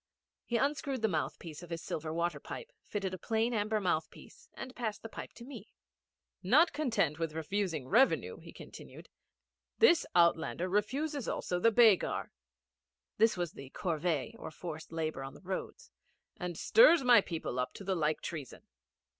He unscrewed the mouthpiece of his silver water pipe, fitted a plain amber mouthpiece, and passed his pipe to me. 'Not content with refusing revenue,' he continued, 'this outlander refuses also the begar' (this was the corvée or forced labour on the roads) 'and stirs my people up to the like treason.